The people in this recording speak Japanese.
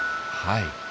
はい。